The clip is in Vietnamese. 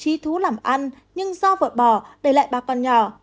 trí thú làm ăn nhưng do vợ bỏ để lại ba con nhỏ